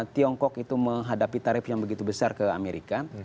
tiongkok itu menghadapi tarif yang begitu besar ke amerika